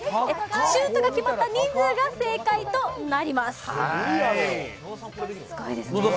シュートが決まった人数が正解となります。